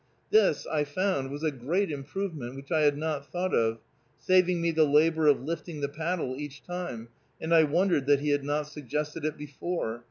This, I found, was a great improvement which I had not thought of, saving me the labor of lifting the paddle each time, and I wondered that he had not suggested it before.